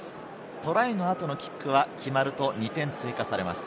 トライの後のキックは決まると２点追加されます。